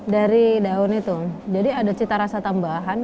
dari daun itu jadi ada cita rasa tambahan